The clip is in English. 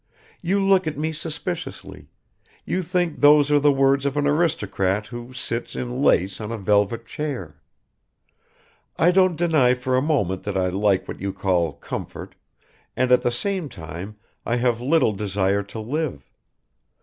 You look at me suspiciously; you think those are the words of an aristocrat who sits in lace on a velvet chair. I don't deny for a moment that I like what you call comfort, and at the same time I have little desire to live.